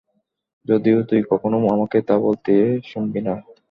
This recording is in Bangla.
যদিও তুই কখনোই আমাকে তা বলতে শুনবি না।